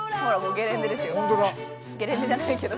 ゲレンデじゃないけど。